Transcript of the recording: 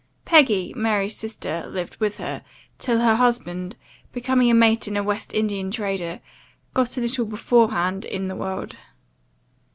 Peggy, Mary's sister, lived with her, till her husband, becoming a mate in a West Indian trader, got a little before hand in the world.